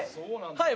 はい。